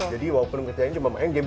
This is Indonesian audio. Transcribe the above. jadi walaupun kita hanya cuma main game